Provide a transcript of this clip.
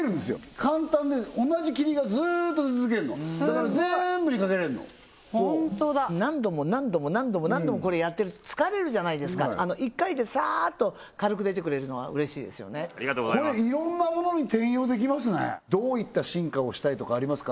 簡単で同じ霧がずっと出続けるのだから全部にかけれるのこうホントだ何度も何度も何度も何度もこれやってると疲れるじゃないですか１回でサーッと軽く出てくれるのは嬉しいですよねありがとうございますいろんなものに転用できますねどういった進化をしたいとかありますか？